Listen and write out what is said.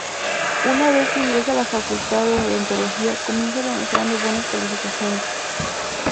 Una vez que ingresa a la Facultad de Odontología comienza demostrando buenas calificaciones.